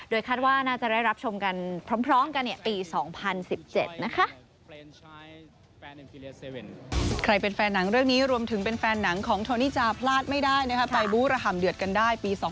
คาดว่าน่าจะได้รับชมกันพร้อมกันปี๒๐๑๗นะคะ